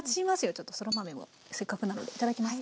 ちょっとそら豆もせっかくなのでいただきます。